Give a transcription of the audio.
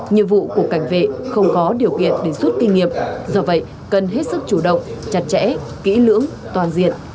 nhiệm vụ của cảnh vệ không có điều kiện để rút kinh nghiệm do vậy cần hết sức chủ động chặt chẽ kỹ lưỡng toàn diện